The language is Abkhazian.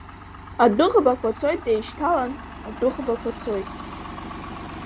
Адәыӷбақәа цоит еишьҭалан, адәыӷбақәа цоит!